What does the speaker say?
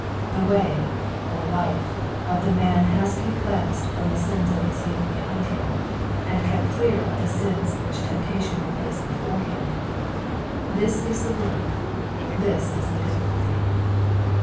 The way, or life, of the man has to be cleansed from the sins of his youth behind him, and kept clear of the sins which temptation will place before him : this is the work, this is the difficulty.